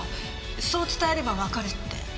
そう伝えればわかるって。